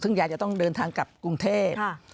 ซึ่งยายจะต้องเดินทางกลับกรุงเทพ